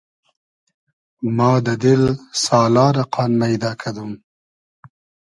ما دۂ دیل سالا رۂ قان مݷدۂ کیدۉم